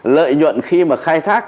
lợi nhuận khi mà khai thác